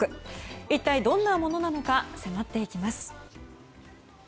一体どんなものなのか迫っていきます。